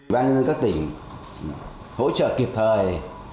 ban nhân dân các tỉnh hỗ trợ kịp thời